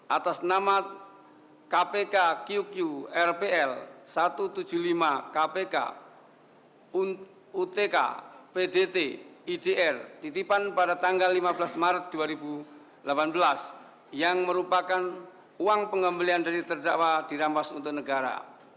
atas nama kpk q rpl satu ratus tujuh puluh lima kpk utk pdt idr titipan pada tanggal lima belas maret dua ribu delapan belas yang merupakan uang pengembalian dari terdakwa dirampas untuk negara